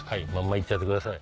行っちゃってください。